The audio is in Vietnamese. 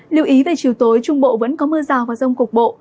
lưu ý về chiều tối trung bộ vẫn có mưa rào và rông cục bộ